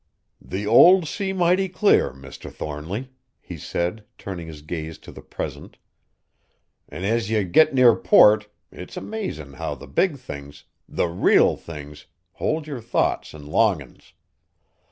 "The old see mighty clar, Mr. Thornly," he said, turning his gaze to the present. "An' as ye git near port it's amazin' how the big things, the real things, hold yer thoughts an' longin's.